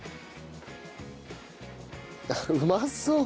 うまそう！